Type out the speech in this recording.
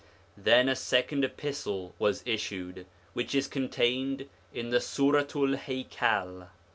Then a second epistle was issued, which is contained in the Suratu'l Haikal.